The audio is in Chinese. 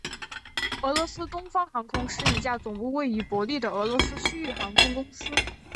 俄罗斯东方航空是一家总部位于伯力的俄罗斯区域航空公司。